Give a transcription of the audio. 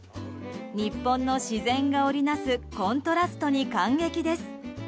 日本の自然が織りなすコントラストに感激です。